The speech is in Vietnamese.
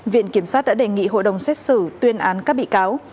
viện kiểm sát đã đề nghị hội đồng xét xử tuyên án các bị cáo